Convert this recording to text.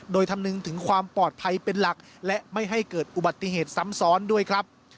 โดยคำนึงถึงความปลอดภัยเป็นหลักและไม่ให้เกิดอุบัติเหตุซ้ำซ้อนด้วยครับ